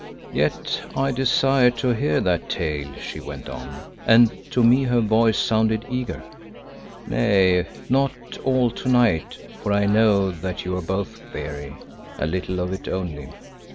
"Yet I desire to hear that tale," she went on, and to me her voice sounded eager. "Nay, not all to night, for I know that you both are weary; a little of it only.